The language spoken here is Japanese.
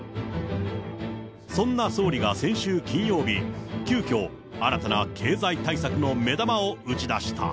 そんな総理が先週金曜日、急きょ、新たな経済対策の目玉を打ち出した。